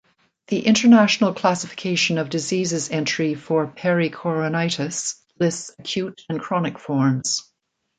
The International Classification of Diseases entry for pericoronitis lists acute and chronic forms.